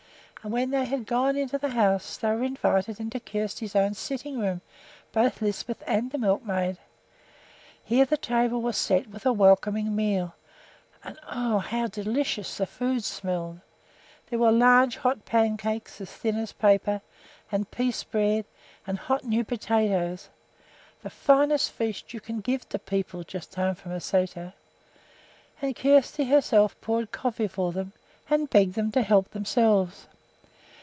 And when they had gone into the house they were invited into Kjersti's own sitting room, both Lisbeth and the milkmaid. Here the table was set with a welcoming meal, and oh, how delicious the food smelled! There were large hot pancakes as thin as paper, and pease bread, and hot new potatoes, the finest feast you can give to people just home from a sæter. And Kjersti herself poured coffee for them and begged them to help themselves.